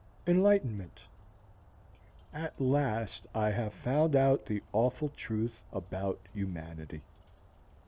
ENLIGHTENMENT At last I have found out the awful truth about humanity.